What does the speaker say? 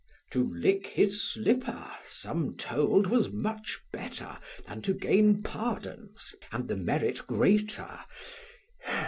To lick his slipper, some told was much better, Than to gain pardons, and the merit greater.